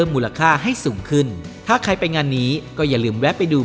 มูลค่าให้สูงขึ้นถ้าใครไปงานนี้ก็อย่าลืมแวะไปดู